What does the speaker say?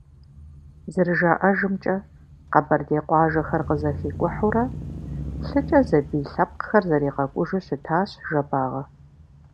ЗэрыжаӀэжымкӀэ, къэбэрдей къуажэхэр къызэхикӀухьурэ, лъыкӀэ зэбий лъэпкъхэр зэригъэкӀужу щытащ Жэбагъы.